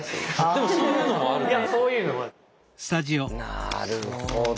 なるほど。